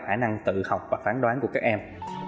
khả năng tự học và phán đoán của các em